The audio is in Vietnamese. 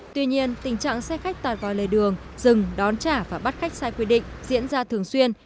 tuy nhiên tình trạng xe khách tạt vào lề đường dừng đón trả và bắt khách sai quy định diễn ra thường xuyên